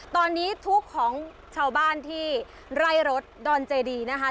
ตอนนี้ทุกข์ของชาวบ้านที่ไร่รถดอนเจดีนะคะ